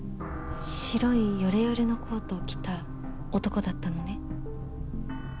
白いヨレヨレのコートを着た男だったのね？